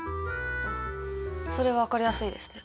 あっそれ分かりやすいですね。